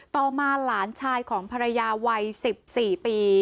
ต่อมาหลานชายของภรรยาวัย๑๔ปี